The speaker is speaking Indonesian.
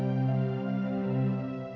kakang mencintai dia kakang